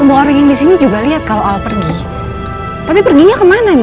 mas kau mau pergi kemana